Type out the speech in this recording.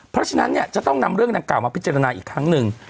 เพราะฉะนั้นเนี่ยจะต้องนำเรื่องดังกล่ามาพิจารณาอีกครั้งหนึ่ง